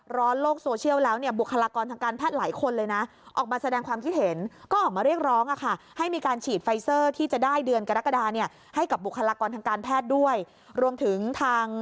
ร้อนโลกโซเชียลแล้วเนี่ยบุคลากรทางการแพทย์หลายคนเลยนะ